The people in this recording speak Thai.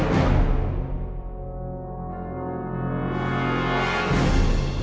ตอนต่อไป